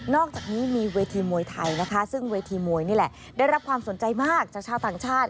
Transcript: อกจากนี้มีเวทีมวยไทยนะคะซึ่งเวทีมวยนี่แหละได้รับความสนใจมากจากชาวต่างชาติ